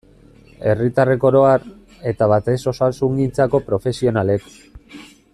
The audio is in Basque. Herritarrek oro har, eta batez osasungintzako profesionalek.